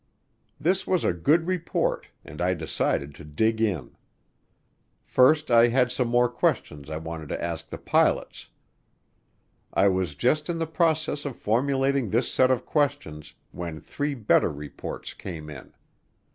This was a good report and I decided to dig in. First I had some more questions I wanted to ask the pilots. I was just in the process of formulating this set of questions when three better reports came in.